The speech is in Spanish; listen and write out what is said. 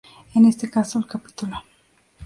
En este caso el "cap.